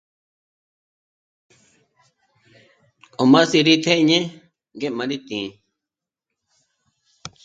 K'o m'â sî rí t'éñe ngé m'a rí tí'i